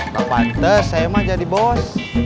gak pantes saya mah jadi bos